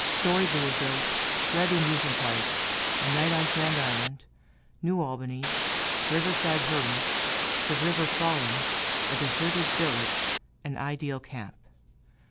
Storied Louisville Red Indians and white A night on Sand Island New Albany Riverside hermits The river falling A deserted village An ideal camp.